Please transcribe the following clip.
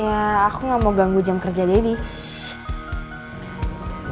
ya aku nggak mau ganggu jam kerja daddy